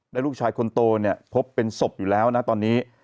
และลูกชายคนโตเนี่ยพบเป็นศพอยู่แล้วนะตอนนี้